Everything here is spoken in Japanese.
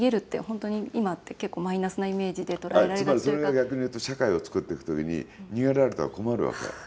つまり、それが逆に言うと社会を作っていく時に逃げられたら困るわけ。